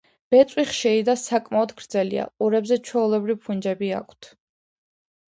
ბეწვი ხშირი და საკმაოდ გრძელია, ყურებზე ჩვეულებრივ ფუნჯები აქვთ.